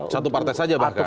satu partai saja bahkan